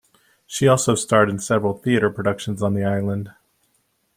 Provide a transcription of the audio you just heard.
She also starred in several theater productions on the island.